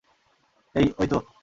এই, ওইতো।